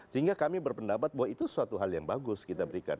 sehingga kami berpendapat bahwa itu suatu hal yang bagus kita berikan